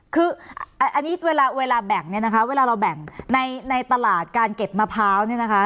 คืออันนี้เวลาแบ่งเนี่ยนะคะเวลาเราแบ่งในตลาดการเก็บมะพร้าวเนี่ยนะคะ